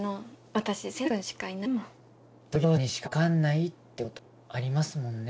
同業者にしかわかんないってことありますもんね。